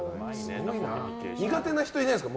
苦手な人いないんですか。